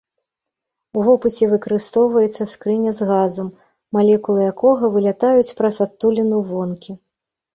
У вопыце выкарыстоўваецца скрыня з газам, малекулы якога вылятаюць праз адтуліну вонкі.